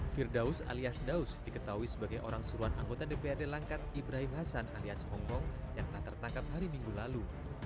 firdaus alias daus diketahui sebagai orang suruhan anggota dprd langkat ibrahim hasan alias hongkong yang telah tertangkap hari minggu lalu